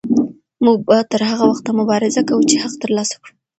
موږ به تر هغه وخته مبارزه کوو چې حق ترلاسه کړو.